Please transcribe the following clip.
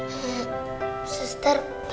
aku sudah mampu